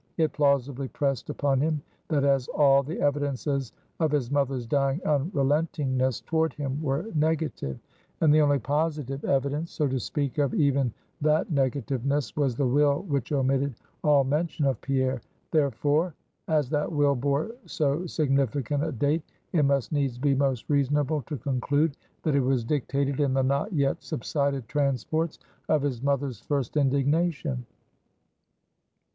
It plausibly pressed upon him, that as all the evidences of his mother's dying unrelentingness toward him were negative; and the only positive evidence so to speak of even that negativeness, was the will which omitted all mention of Pierre; therefore, as that will bore so significant a date, it must needs be most reasonable to conclude, that it was dictated in the not yet subsided transports of his mother's first indignation.